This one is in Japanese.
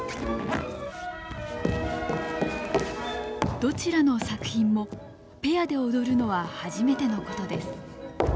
どちらの作品もペアで踊るのは初めてのことです。